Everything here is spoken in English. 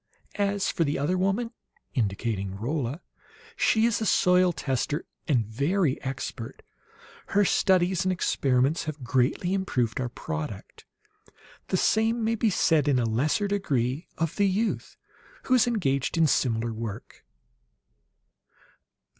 "As for the other woman," indicating Rolla, "she is a soil tester, and very expert. Her studies and experiments have greatly improved our product. The same may be said in lesser degree of the youth, who is engaged in similar work."